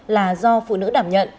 là do phụ nữ đảm nhận